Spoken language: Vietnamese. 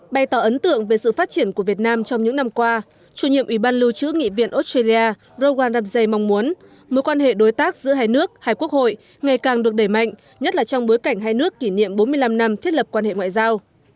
bày tỏ ấn tượng về sự phát triển của việt nam trong những năm qua chủ nhiệm ủy ban lưu trữ nghị viện australia rowan ramsey mong muốn mối quan hệ đối tác giữa hai nước hai quốc hội ngày càng được đẩy mạnh nhất là trong bối cảnh hai nước kỷ niệm bốn mươi năm năm thiết lập quan hệ ngoại giao